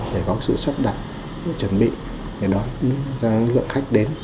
phải có sự sắp đặt chuẩn bị để đón lượng khách đến